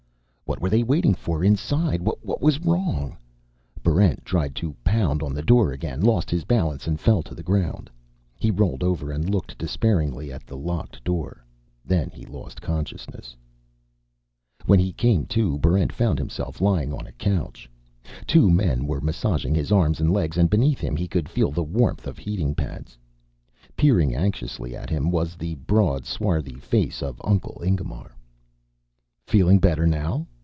What were they waiting for inside? What was wrong? Barrent tried to pound on the door again, lost his balance and fell to the ground. He rolled over and looked despairingly at the locked door. Then he lost consciousness. When he came to, Barrent found himself lying on a couch. Two men were massaging his arms and legs, and beneath him he could feel the warmth of heating pads. Peering anxiously at him was the broad, swarthy face of Uncle Ingemar. "Feeling better now?"